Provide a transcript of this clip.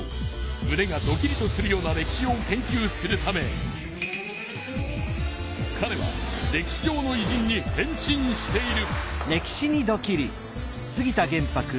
むねがドキリとするような歴史を研究するためかれは歴史上のいじんに変身している。